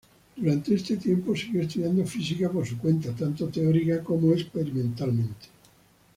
Durante este tiempo siguió estudiando física por su cuenta, tanto teórica como experimentalmente.